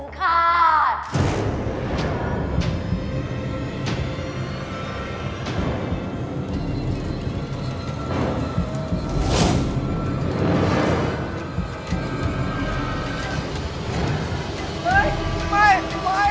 ใครก็ได้ช่วยด้วย